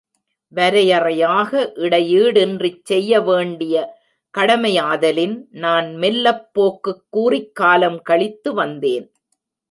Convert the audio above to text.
வரையறையாக இடையீடின்றிச் செய்ய வேண்டிய கடமையாதலின், நான் மெல்லப் போக்குக் கூறிக் காலம் கழித்து வந்தேன்.